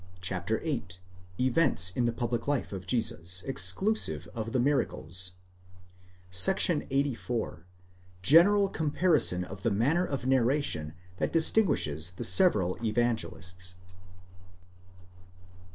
CHAPTER VIII. EVENTS IN THE PUBLIC LIFE OF JESUS, EXCLUDING THE MIRACLES, —_———§ 84. GENERAL COMPARISON OF THE MANNER OF NARRATION THAT DISTIN GUISHES THE SEVERAL EVANGELISTS.